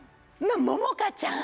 ももかちゃん。